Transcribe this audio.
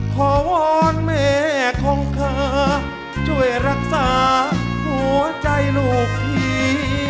ขอวอนแม่ของข้าช่วยรักษาหัวใจลูกพี่